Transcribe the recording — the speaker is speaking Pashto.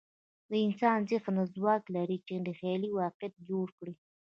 د انسان ذهن دا ځواک لري، چې له خیال واقعیت جوړ کړي.